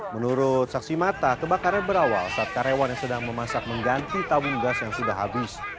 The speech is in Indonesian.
menurut saksi mata kebakaran berawal saat karyawan yang sedang memasak mengganti tabung gas yang sudah habis